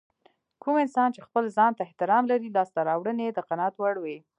کوم کسان چې خپل ځانته احترام لري لاسته راوړنې يې د قناعت وړ وي.